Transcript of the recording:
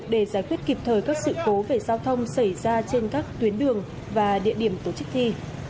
để giải quyết kịp thời các sự cố về giao thông xảy ra trên các tuyến đường và địa điểm tổ chức thi